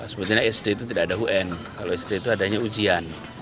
sebetulnya sd itu tidak ada un kalau sd itu adanya ujian